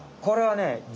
これはねあ！